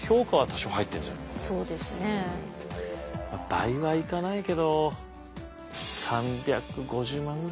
倍はいかないけど３５０万ぐらい。